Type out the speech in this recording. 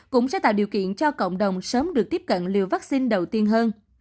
cũng sẽ tạo điều kiện cho cộng đồng sớm được tiếp cận liều vaccine đầu tiên hơn